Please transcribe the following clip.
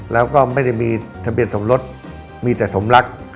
แล้วก็ไม่ได้มีทะเบียนสมรสมีแต่สมรัก